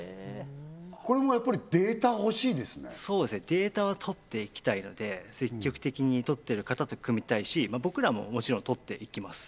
データはとっていきたいので積極的にとっている方と組みたいし僕らももちろんとっていきます